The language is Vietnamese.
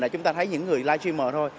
là chúng ta thấy những người livestreamer thôi